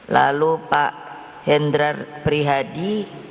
lalu pak hendrar prihadi